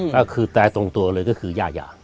ก็คือแตรตรงตัวเลยก็คือย่ายา